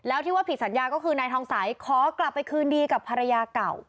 แล้วที่ว่าผิดสัญญาก็คือนายทองสัยขอกลับไปคืนดีกับภรรยาเก่า